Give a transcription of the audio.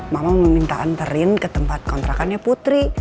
mama meminta anterin ke tempat kontrakannya putri